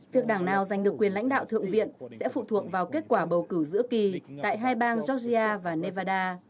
việc đảng nào giành được quyền lãnh đạo thượng viện sẽ phụ thuộc vào kết quả bầu cử giữa kỳ tại hai bang georgia và nevada